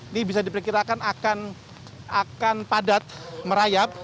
ini bisa diperkirakan akan padat merayap